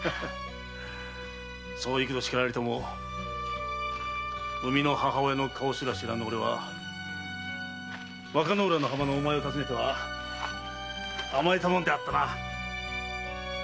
そう幾度叱られても産みの母親の顔すら知らぬ俺は和歌浦の浜のおまえを訪ねては甘えたものであったな！